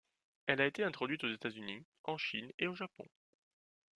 Elle a été introduite aux États-Unis, en Chine et au Japon.